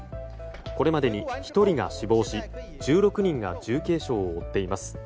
これまでに１人が死亡し１６人が重軽傷を負っています。